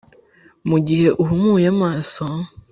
mugihe uhumuye amaso,